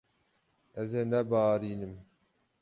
Ez ê nebarînim.